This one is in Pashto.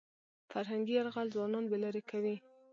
فرهنګي یرغل ځوانان بې لارې کوي.